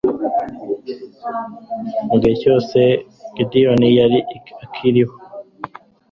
mu gihe cyose gideyoni yari akiriho